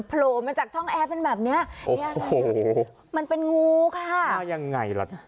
โผล่มาจากช่องแอร์เป็นแบบเนี้ยเนี้ยโอ้โหมันเป็นงูค่ะมายังไงล่ะ